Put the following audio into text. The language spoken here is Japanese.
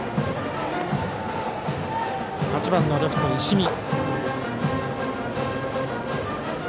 ８番のレフト、石見。